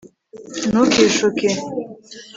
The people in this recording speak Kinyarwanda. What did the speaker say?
ntukishuke